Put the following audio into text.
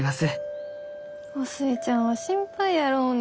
お寿恵ちゃんは心配やろうに。